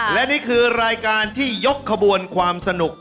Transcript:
และนี่คือรายการที่ยกขบวนความสนุก